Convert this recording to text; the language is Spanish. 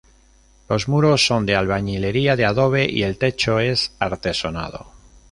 Los muros son de albañilería de adobe y el techo es artesonado.